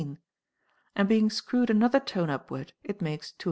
makes 216 ; and being screwed another tone upward it makes 243.